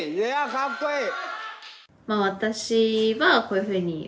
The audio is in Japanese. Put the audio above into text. かっこいい！